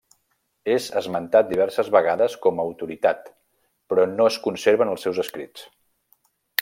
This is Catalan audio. És esmentat diverses vegades com autoritat però no es conserven els seus escrits.